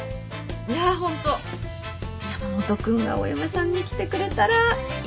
いやホント山本君がお嫁さんに来てくれたらいいのに